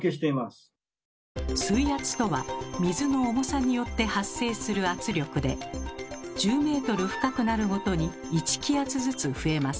「水圧」とは水の重さによって発生する圧力で１０ｍ深くなるごとに１気圧ずつ増えます。